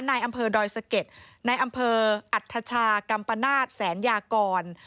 นายอำเภอดอยสะเก็ดนายอำเภออัตภาชากำปนาสแสนยากร